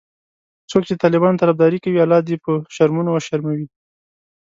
څوک چې د طالبانو طرفداري کوي الله دي په شرمونو وشرموي